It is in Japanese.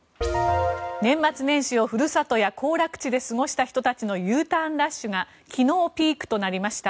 年末年始をふるさとや行楽地で過ごした人たちのＵターンラッシュが昨日、ピークとなりました。